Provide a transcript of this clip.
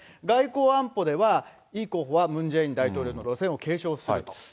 外交安保では、イ候補はムン・ジェイン大統領の路線を継承すると。